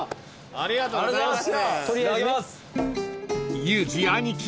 ありがとうございます。